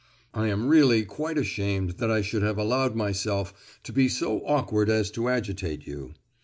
"I am really quite ashamed that I should have allowed myself to be so awkward as to agitate you.